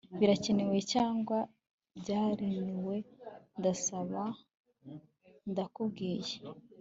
Birakenewe cyangwa byaremewe Ndasaba ndakubwiye